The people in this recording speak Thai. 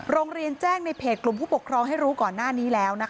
โรงเรียนแจ้งในเพจกลุ่มผู้ปกครองให้รู้ก่อนหน้านี้แล้ว